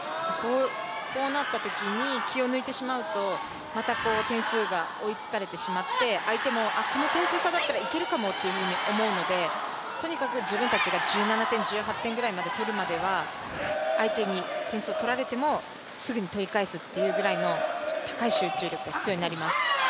こうなったときに気を抜いてしまうと、また点数が追いつかれてしまって、相手も、この点数差だったらいけるかもと思うのでとにかく自分たちが１７点、１８点ぐらいまで取るまでは相手に点数を取られても、すぐに取り返すというぐらいの高い集中力が必要になります。